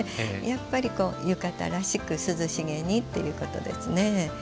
やっぱり浴衣らしく涼しげにってことですね。